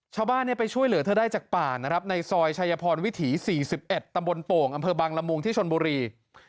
ชาวบ้านไปช่วยเหลือเธอได้จากป่านะครับในซอยชายพรวิถี๔๑ตำบลโป่งอำเภอบังละมุงที่ชนบุรี